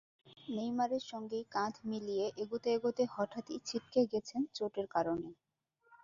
নেইমারের সঙ্গেই কাঁধ মিলিয়ে এগোতে এগোতে হঠাৎই ছিটকে গেছেন চোটের কারণে।